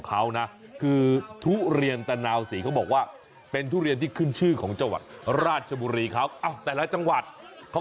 แต่กินเยอะที่สุดมาแล้วนะ